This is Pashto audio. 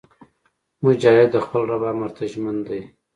مجاهد د خپل رب امر ته ژمن دی.